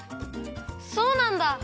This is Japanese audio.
そうなんだ！